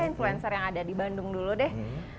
influencer yang ada di bandung dulu deh